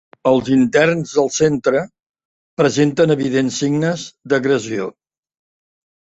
Els interns del centre presenten evidents signes d'agressió